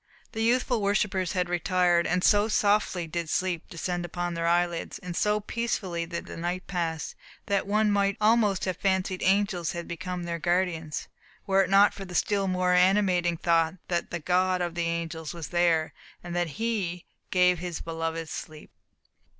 The youthful worshippers had retired. And so softly did sleep descend upon their eyelids, and so peacefully did the night pass, that one might almost have fancied angels had become their guardians, were it not for the still more animating thought that the God of the angels was there, and that He "gave his beloved sleep."